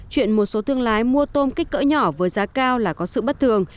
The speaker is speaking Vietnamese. chuyện một số thương lái mua tôm kích cỡ nhỏ với giá cao là có sự bất thường